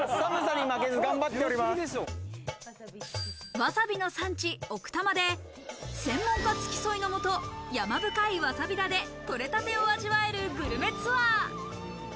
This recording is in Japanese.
わさびの産地、奥多摩で、専門家付き添いのもと、山深いワサビ田で採れたてを味わえるグルメツアー。